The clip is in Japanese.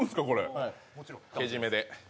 けじめで。